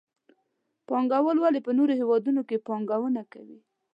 پانګوال ولې په نورو هېوادونو کې پانګونه کوي؟